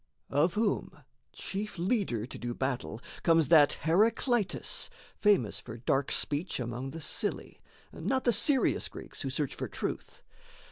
Of whom, chief leader to do battle, comes That Heraclitus, famous for dark speech Among the silly, not the serious Greeks Who search for truth.